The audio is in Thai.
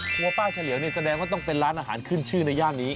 ป้าเฉลียวนี่แสดงว่าต้องเป็นร้านอาหารขึ้นชื่อในย่านนี้